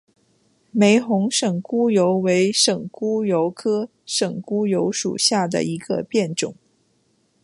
玫红省沽油为省沽油科省沽油属下的一个变种。